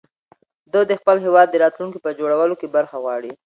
ده د خپل هېواد د راتلونکي په جوړولو کې برخه غواړي.